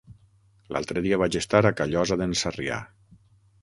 L'altre dia vaig estar a Callosa d'en Sarrià.